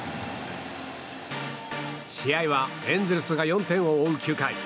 試合はエンゼルスが４点を追う９回。